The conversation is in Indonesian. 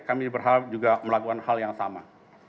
kami berharap juga melakukan hal yang sama